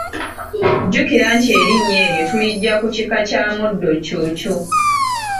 Jjukira nti erinnya eryo tuliggya ku kika kya muddo ccuucu.